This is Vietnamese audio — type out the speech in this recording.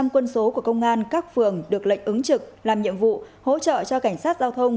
một trăm linh quân số của công an các phường được lệnh ứng trực làm nhiệm vụ hỗ trợ cho cảnh sát giao thông